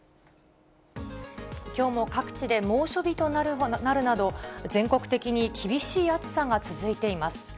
きょうも各地で猛暑日となるなど、全国的に厳しい暑さが続いています。